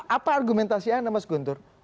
apa argumentasinya mas guntur